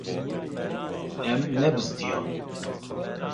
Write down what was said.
Em nebizdiyan.